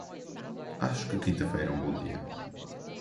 Acho que quinta-feira é um bom dia.